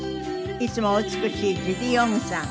いつもお美しいジュディ・オングさん。